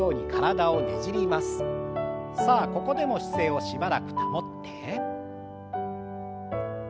さあここでも姿勢をしばらく保って。